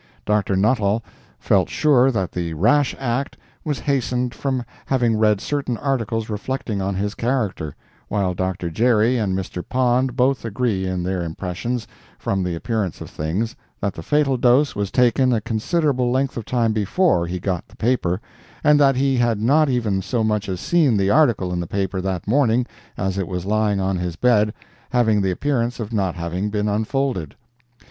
Dr. Nuttall felt sure that the rash act was hastened from having read certain articles reflecting on his character, while Dr. Gerry and Mr. Pond both agree in their impressions, from the appearance of things, that the fatal dose was taken a considerable length of time before he got the paper, and that he had not even so much as seen the article in the paper that morning, as it was lying on his bed, having the appearance of not having been unfolded.